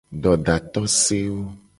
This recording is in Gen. Dodatosewo.